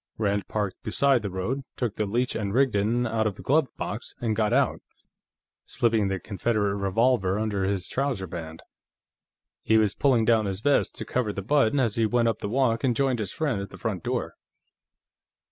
Rand parked beside the road, took the Leech & Rigdon out of the glove box, and got out, slipping the Confederate revolver under his trouser band. He was pulling down his vest to cover the butt as he went up the walk and joined his friend at the front door.